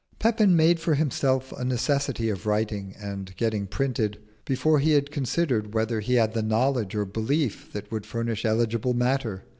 Pepin made for himself a necessity of writing (and getting printed) before he had considered whether he had the knowledge or belief that would furnish eligible matter.